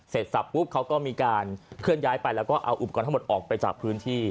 สับปุ๊บเขาก็มีการเคลื่อนย้ายไปแล้วก็เอาอุปกรณ์ทั้งหมดออกไปจากพื้นที่